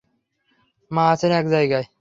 মা আছেন এক জায়গায়।